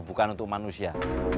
bukan untuk manusia